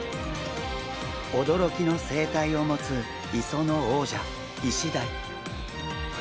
おどろきの生態を持つ磯の王者イシダイ。